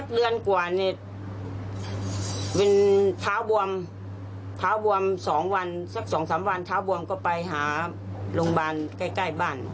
เดือนกว่านี่เป็นเท้าบวมเท้าบวม๒วันสัก๒๓วันเท้าบวมก็ไปหาโรงพยาบาลใกล้บ้าน